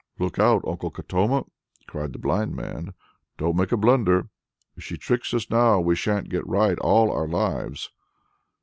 "Look out, Uncle Katoma!" cried the blind man; "don't make a blunder. If she tricks us now we shan't get right all our lives!"